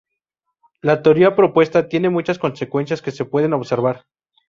La teoría propuesta tiene muchas consecuencias que se pueden observar.